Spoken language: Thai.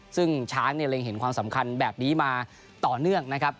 ซึ่งช้างเนี่ยเล็งเห็นความสำคัญแบบนี้มาต่อเนื่องนะครับ